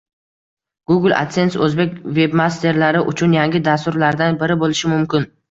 Google adsense o’zbek webmasterlari uchun yangi dastur-lardan biri bo’lishi mumkin